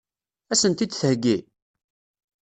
Ad sent-t-id-theggi?